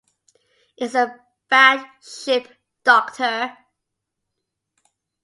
It’s a bad ship, Doctor.